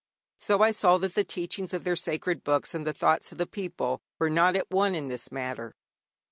So I saw that the teachings of their sacred books and the thoughts of the people were not at one in this matter.